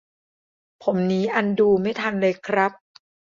ผมนี้อันดูไม่ทันเลยครับ